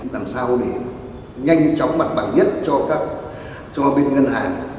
làm sao để nhanh chóng mặt bằng nhất cho bên ngân hàng